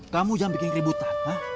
kamu jangan bikin keributan